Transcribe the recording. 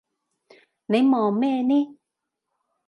你望咩呢？